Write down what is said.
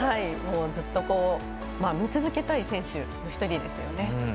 ずっと見続けたい選手の１人です。